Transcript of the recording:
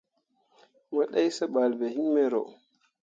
Mo ɗai seɓal ɓe iŋ mero.